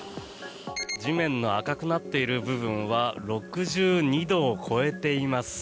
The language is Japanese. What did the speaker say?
地面の赤くなっている部分は６２度を超えています。